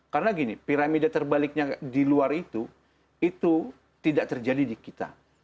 karena gini piramida terbaliknya di luar itu itu tidak terjadi di kita